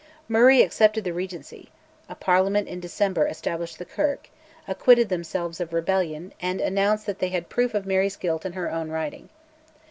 Murray accepted the Regency; a Parliament in December established the Kirk; acquitted themselves of rebellion; and announced that they had proof of Mary's guilt in her own writing.